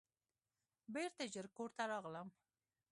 بیرته ژر کور ته راغلم.